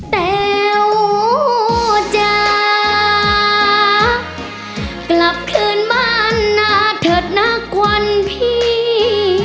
แต๋วจะกลับคืนบ้านหน้าเถิดนักวันพี่